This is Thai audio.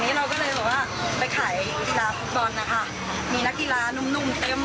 ทีนี้เราก็เลยบอกว่าไปขายกีฬาฟุตบอลนะคะ